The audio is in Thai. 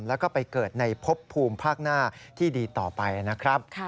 แล้วก็ไปเกิดในพบภูมิภาคหน้าที่ดีต่อไปนะครับ